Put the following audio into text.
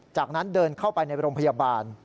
จากนั้นเดินเข้าไปในโรงพยาบาล